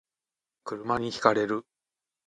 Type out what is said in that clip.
車に轢かれる